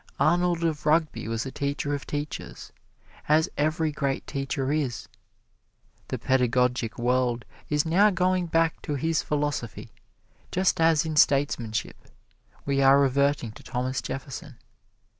Arnold of Rugby was a teacher of teachers, as every great teacher is. The pedagogic world is now going back to his philosophy, just as in statesmanship we are reverting to Thomas Jefferson.